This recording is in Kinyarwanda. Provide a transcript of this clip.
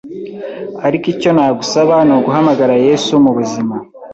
ariko icyo nagusaba ni uguhamagara Yesu mu buzima